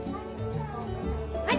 はい。